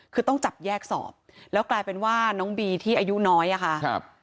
คือต้องจับแยกสอบแล้วกลายเป็นว่าน้องบีที่อายุน้อยอะค่ะครับ